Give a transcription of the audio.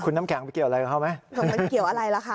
น้ำแข็งไปเกี่ยวอะไรกับเขาไหมมันเกี่ยวอะไรล่ะคะ